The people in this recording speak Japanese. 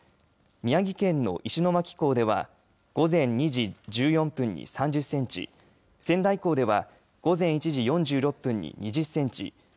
宮城県の石巻港では午前２時１４分に３０センチ仙台港では午前１時４６分に２０センチ。